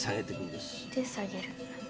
で下げる。